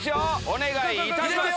お願いいたします。